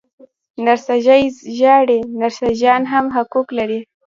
نرښځی ژاړي، نرښځيان هم حقوق لري.